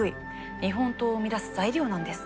日本刀を生み出す材料なんです。